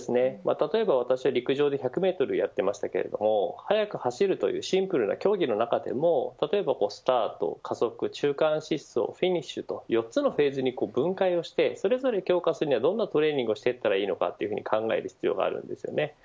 例えば私は陸上の１００メートルやっていましたけれども速く走るというシンプルな競技の中でも例えばスタート、加速、中間疾走フィニッシュと４つのフェーズに分解をしてそれぞれ強化するにはどんなトレーニングをしていったらいいのかというふうに考える必要があるんですね。